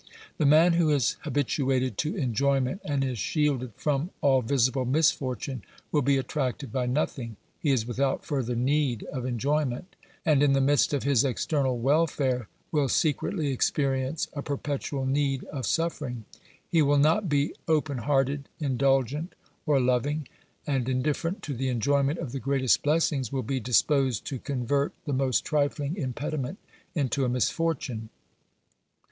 The man who is habituated to enjoyment and is shielded from all visible misfortune, will be attracted by nothing ; he is without further need of enjoyment, and in the midst of his external welfare will secretly experience a perpetual need of suft'ering. He will not be open hearted, indulgent, or loving, and, indifferent to the enjoyment of the greatest blessings, will be disposed to convert the most trifling impediment into a misfortune.